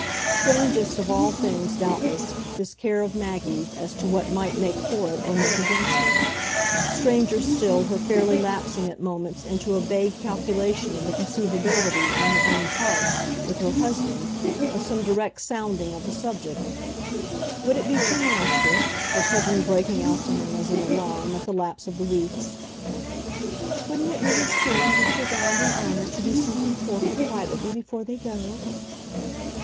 Strangest of all things, doubtless, this care of Maggie's as to what might make for it or make against it; stranger still her fairly lapsing at moments into a vague calculation of the conceivability, on her own part, with her husband, of some direct sounding of the subject. Would it be too monstrous, her suddenly breaking out to him as in alarm at the lapse of the weeks: "Wouldn't it really seem that you're bound in honour to do something for her, privately, before they go?"